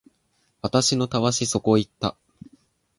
私のたわしそこ行った